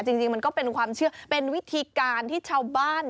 จริงมันก็เป็นความเชื่อเป็นวิธีการที่ชาวบ้าน